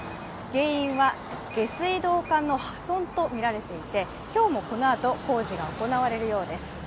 原因は下水道管の破損とみられていて今日もこのあと工事が行われるようです。